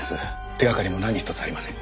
手掛かりも何一つありません。